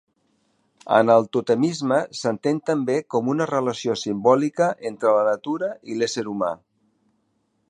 En el totemisme, s'entén també com una relació simbòlica entre la natura i l'ésser humà.